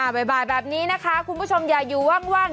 บ่ายแบบนี้นะคะคุณผู้ชมอย่าอยู่ว่าง